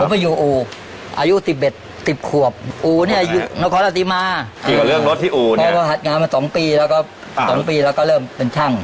ผมเป็นอยู่อูออายุ๑๑ควบอูอเนี่ยน้องคอร์ตอศิมาพอถัดงานมา๒ปีแล้วก็เริ่มเป็นช่าง